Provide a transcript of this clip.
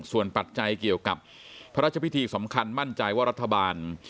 ส่วนปัจจัยเกี่ยวกับพระราชพิธีสำคัญมั่นใจว่ารัฐบาล